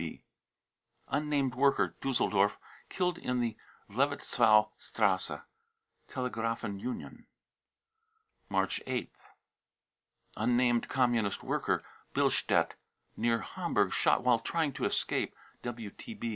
( WTB.) unnamed worker, Diisseldorf, killed in the Levetzowstrasse. ( Telegrqfen Union.) March 8th. unnamed communist worker, Billstedt, near Ham burg, shot "while trying to escape."